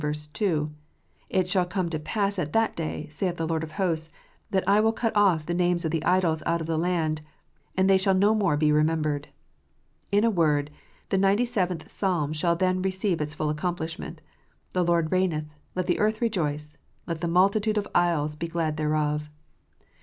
2) : "It shall come to pass at that day, saith the Lord of hosts, that I will cut off the names of the idols out of the land, and they shall no more be remembered." In a word, the ninety seventh Psalm shall then receive its full accomplishment : "The Lordreigneth : let the earth rejoice \ let the multitude of isles be glad thereof.